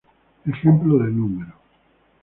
Ejemplo de No.